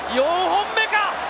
４本目か！